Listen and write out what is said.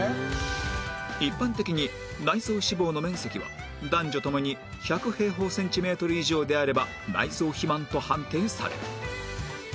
一般的に内臓脂肪の面積は男女ともに１００平方センチメートル以上であれば内臓肥満と判定される